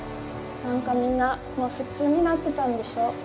なんか、みんな普通になってたんでしょう。